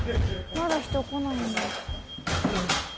まだ人来ないんだ。